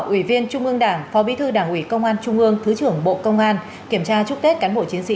ủy viên trung ương đảng phó bí thư đảng ủy công an trung ương thứ trưởng bộ công an kiểm tra chúc tết cán bộ chiến sĩ